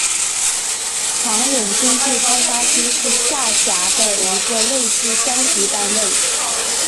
长岭经济开发区是下辖的一个类似乡级单位。